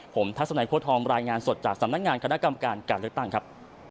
ผมทัศนัยโค้ทองรายงานสดจากสำนักงานคณะกรรมการการเลือกตั้งครับ